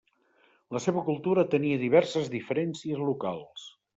La seva cultura tenia diverses diferències locals.